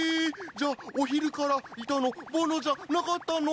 じゃあお昼からいたのぼのじゃなかったの！？